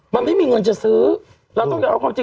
มันไม่มีเงินจะซื้อ